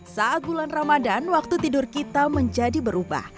saat bulan ramadan waktu tidur kita menjadi berubah